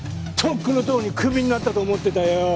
とっくのとうにクビになったと思ってたよ